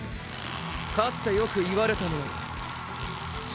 かつてよく言われたものだよ。